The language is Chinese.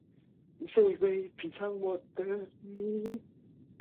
这近似成立的条件是上述不等式。